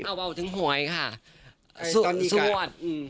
อ้าวถึงหวยค่ะส่วน